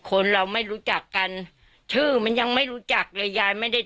คนเราไม่รู้จักกันชื่อมันยังไม่รู้จักเลยยายไม่ได้